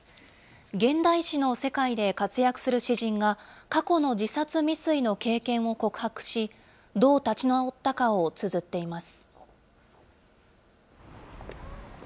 現代詩の世界で活躍する詩人が、過去の自殺未遂の経験を告白し、どう立ち直ったかをつづっています。